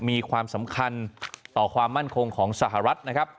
มีความสำคัญต่อความมั่นคงของสหรัฐนะครับ